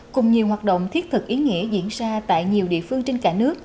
cùng nhiều hoạt động thiết thực ý nghĩa diễn ra tại nhiều địa phương trên cả nước